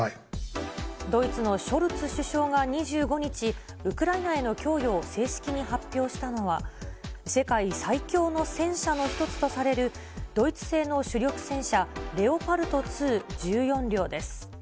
ドイツのショルツ首相が２５日、ウクライナへの供与を正式に発表したのは、世界最強の戦車の一つとされる、ドイツ製の主力戦車、レオパルト２、１４両です。